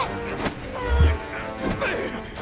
うっ！